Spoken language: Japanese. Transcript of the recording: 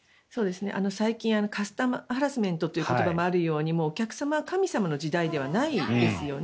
最近カスタマーハラスメントという言葉もあるようにお客様は神様の時代ではないですよね。